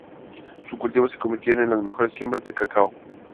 Sus cultivos se convirtieron en las mejores siembras de cacao.